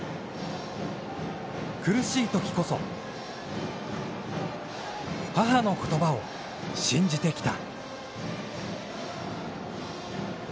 苦しいときこそ、母の言葉を信じてきた。